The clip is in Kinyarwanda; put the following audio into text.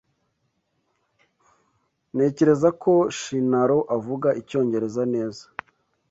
Ntekereza ko Shintaro avuga icyongereza neza.